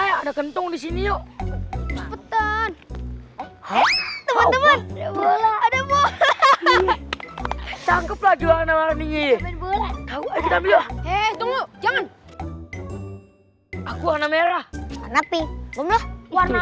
ya ada gantung di sini yuk teman teman tangkep lagi warna warni jangan aku warna merah warna